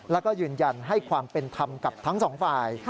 แล้วก็ยืนยันให้ความเป็นธรรมกับทั้งสองฝ่าย